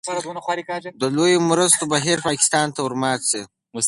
د لویو مرستو بهیر پاکستان ته ورمات شي.